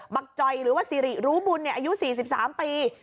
บักจอยหรือว่าศรีรู้บุญเนี่ยอายุ๔๓ปี